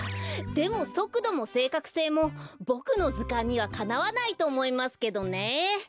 でもそくどもせいかくせいもボクのずかんにはかなわないとおもいますけどね。